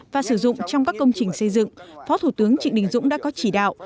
và sử dụng trong các công trình xây dựng phó thủ tướng trịnh đình dũng đã có chỉ đạo